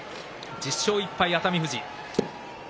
１０勝１敗、熱海富士。